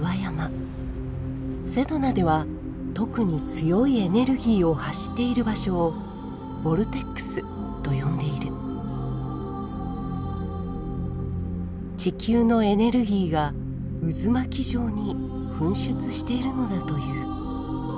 セドナでは特に強いエネルギーを発している場所をボルテックスと呼んでいる地球のエネルギーが渦巻き状に噴出しているのだという。